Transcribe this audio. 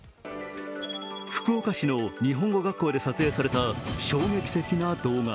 福岡市の日本語学校で撮影された衝撃的な動画。